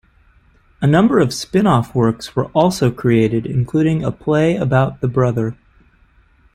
A number of spin-off works were also created, including a play about the brother.